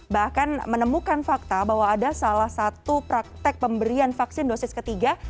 bahkan menemukan fakta bahwa ada salah satu praktek pemberian vaksin dosis ketiga